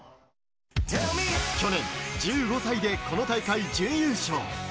去年、１５歳でこの大会準優勝。